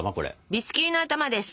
ビスキュイの頭です。